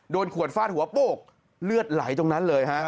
ขวดฟาดหัวโป้งเลือดไหลตรงนั้นเลยฮะ